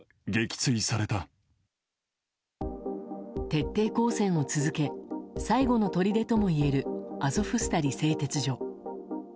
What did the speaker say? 徹底抗戦を続け最後のとりでともいえるアゾフスタリ製鉄所。